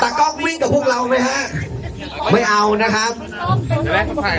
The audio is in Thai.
ตากล้องวิ่งกับพวกเราไหมฮะไม่เอานะครับจะแปลงเพื่อเล็ก